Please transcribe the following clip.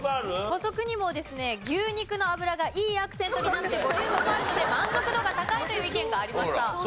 補足にもですね牛肉の脂がいいアクセントになってボリュームもあるので満足度が高いという意見がありました。